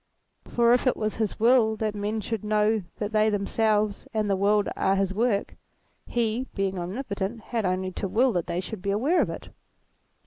For if it was his will that men should know that they themselves and the world are his work, he, being omnipotent, had only to will that they should be aware of it.